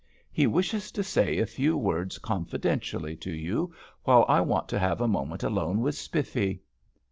He wishes to say a few words confidentially to you, while I want to have a moment alone with Spiffy."